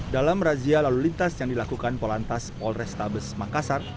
dalam razia lalu lintas yang dilakukan polantas polrestabes makassar